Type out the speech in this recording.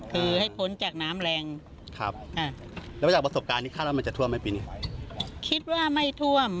คือให้พ้นจากน้ำแรงครับอ่าแล้วจากประสบการณ์ที่คาดว่ามันจะท่วมไหมปีนี้ไหมคิดว่าไม่ท่วม